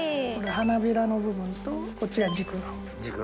はなびらの部分とこっちが軸の。